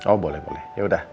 oh boleh boleh